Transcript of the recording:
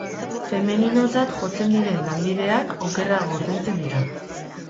Femeninotzat jotzen diren lanbideak okerrago ordaintzen dira.